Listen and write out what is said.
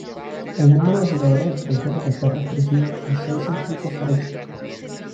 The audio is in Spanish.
El número de jugadores extranjeros está restringido a seis inscritos por equipo.